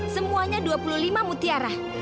semuanya dua puluh lima mutiara